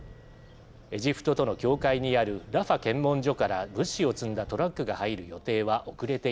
エジプトとの境界にあるラファ検問所から物資を積んだトラックが入る予定は遅れているようです。